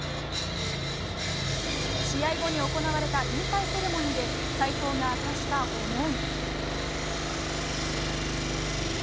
試合後に行われた引退セレモニーで斎藤が明かした思い。